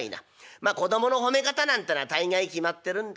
まあ子供の褒め方なんてのは大概決まってるんだ。